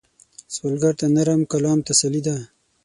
سوالګر ته نرم کلام تسلي ده